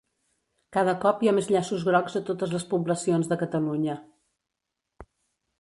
Cada cop hi ha més llaços grocs a totes les poblacions de Catalunya